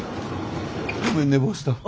ごめん寝坊した。